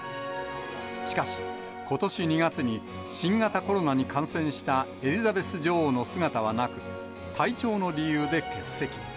しかし、ことし２月に新型コロナに感染したエリザベス女王の姿はなく、体調の理由で欠席。